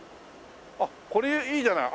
あっこれいいじゃない。